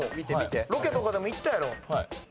ロケとかでも行ったやろ。